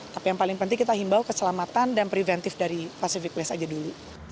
tapi yang paling penting kita himbaw keselamatan dan preventif dari pacific place saja dulu